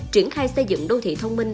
triển khai xây dựng đô thị thông minh